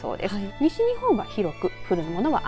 西日本は広く降るものは雨。